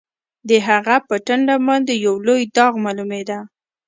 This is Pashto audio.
د هغه په ټنډه باندې یو لوی داغ معلومېده